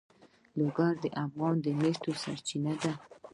لوگر د افغانانو د معیشت سرچینه ده.